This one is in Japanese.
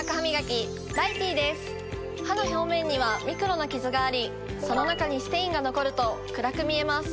歯の表面にはミクロなキズがありその中にステインが残ると暗く見えます。